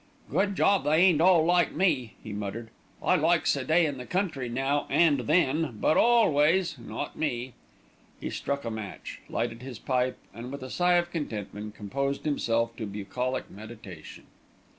"Good job they ain't all like me," he muttered. "I likes a day in the country, now and then; but always! Not me." He struck a match, lighted his pipe and, with a sigh of contentment, composed himself to bucolic meditation.